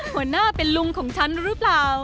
หัวหน้าเป็นลุงของฉันหรือเปล่า